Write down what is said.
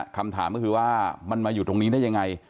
คำถามก็คือว่ามันมาอยู่ตรงนี้ได้ยังไง